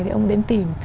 thế ông ấy đến tìm